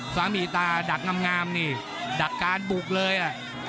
ฟ้ามีตาดักง่ำนี่ดักการปลูกเลย